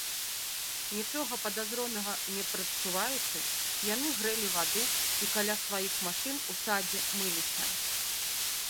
Нічога падазронага не прадчуваючы, яны грэлі ваду і каля сваіх машын у садзе мыліся.